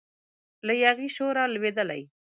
له یاغي شوره لویدلی